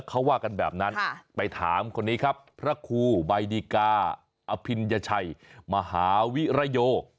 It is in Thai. เขาว่ากันแบบนั้นไปถามคนนี้ครับพระครูใบดิกาอภิญญชัยมหาวิรโย